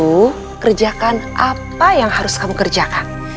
kamu harus kerjakan apa yang harus kamu kerjakan